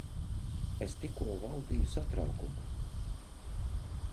Es tikko valdīju satraukumu.